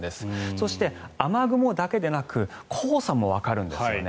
そして、雨雲だけでなく黄砂もわかるんですよね。